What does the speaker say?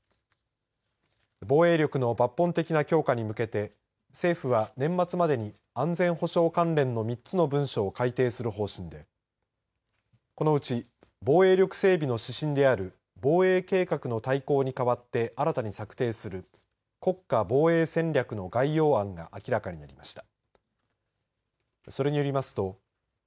防衛力の抜本的な強化に向けて、政府は年末までに安全保障関連の３つの文書を改定する方針で、このうち防衛力整備の指針である防衛計画の大綱に代わって新たに策定する、国家防衛戦略の概要案が明らかになりました。